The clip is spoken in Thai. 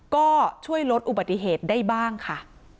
ก็ช่วยลดอุบัติเหตุได้บ้างค่ะ